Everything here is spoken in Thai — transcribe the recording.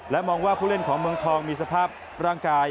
มองว่าผู้เล่นของเมืองทองมีสภาพร่างกาย